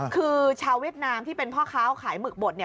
คือชาวเวียดนามที่เป็นพ่อค้าขายหมึกบดเนี่ย